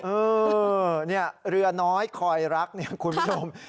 เออเนี่ยเรือน้อยคอยรักเนี่ยคุณผู้ชม